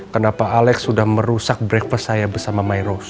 kenapa alex sudah merusak breakfast saya bersama my rose